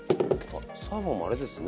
サーモンもあれですね。